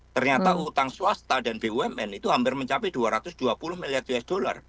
ternyata utang swasta dan bumn itu hampir mencapai dua ratus dua puluh miliar usd